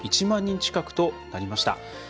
１万人近くとなりました。